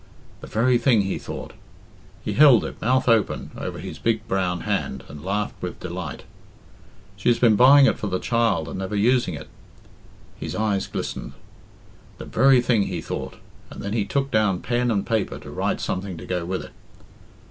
"The very thing," he thought. He held it, mouth open, over his big brown hand, and laughed with delight. "She's been buying it for the child and never using it." His eyes glistened. "The very thing," he thought, and then he took down pen and paper to write something to go with it.